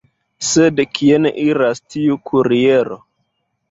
Sed kien iras tiu kariero...?